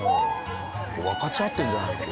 分かち合ってんじゃない？